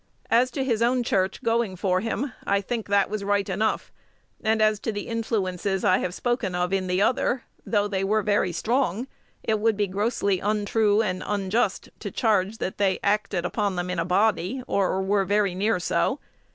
As to his own church going for him, I think that was right enough: and as to the influences I have spoken of in the other, though they were very strong, it would be grossly untrue and unjust to charge that they acted upon them in a body, or were very near so.